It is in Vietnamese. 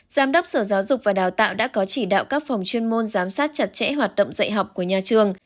giám đốc sở giáo dục và đào tạo đã có chỉ đạo các phòng chuyên môn giám sát chặt chẽ hoạt động dạy học của nhà trường